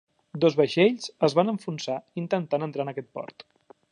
Dos vaixells es van enfonsar intentant entrar en aquest port.